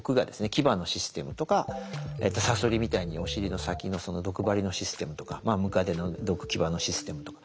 牙のシステムとかサソリみたいにお尻の先の毒針のシステムとかムカデの毒牙のシステムとか。